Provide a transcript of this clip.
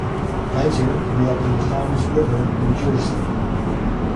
Leiter grew up in Toms River, New Jersey.